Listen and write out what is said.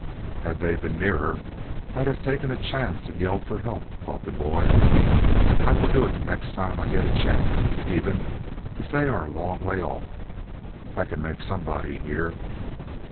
"Had they been nearer, I'd have taken a chance and yelled for help," thought the boy. "I will do it the next time I get a chance even if they are a long way off. I can make somebody hear."